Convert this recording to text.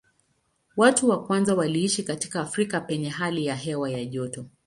Watu wa kwanza waliishi katika Afrika penye hali ya hewa ya joto.